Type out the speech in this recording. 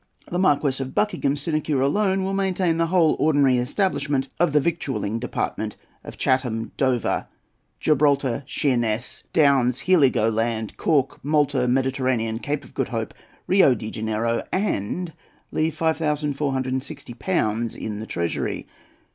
The Marquis of Buckingham's sinecure alone will maintain the whole ordinary establishment of the victualling department at Chatham, Dover, Gibraltar, Sheerness, Downs, Heligoland, Cork, Malta, Mediterranean, Cape of Good Hope, Rio de Janeiro, and leave 5460£ in the Treasury.